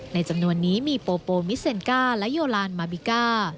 ในจำนวนนี้มีโปโปมิเซนก้าและโยลานมาบิก้า